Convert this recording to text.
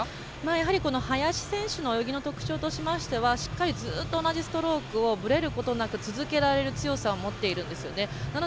やはり、林選手の泳ぎの特徴としましてはしっかりずっと同じストロークをぶれることなく続けられる強さを持っているんですよね。